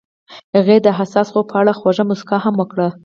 هغې د حساس خوب په اړه خوږه موسکا هم وکړه.